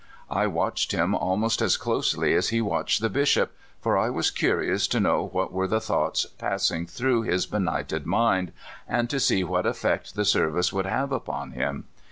I watched him alm.ost as closely as he watched tlie Bishop, for I was curious to know what were the tlioughts passing through his benighted mind, and to see what effect the service would have upon him.